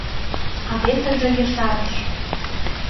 А весыже ешарыш: